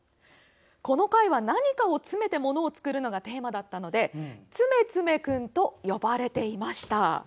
この回は、何かを詰めて物を作るのがテーマだったのでつめつめ君と呼ばれていました。